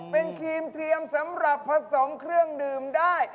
เป็นครีมเทียมสำหรับผสมเครื่องดื่มได้